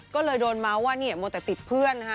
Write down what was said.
ก็เลยโดนเมาส์ว่าเนี่ยมัวแต่ติดเพื่อนนะคะ